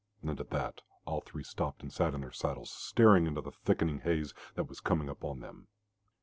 And at that, all three stopped and sat in their saddles, staring into the thickening haze that was coming upon them.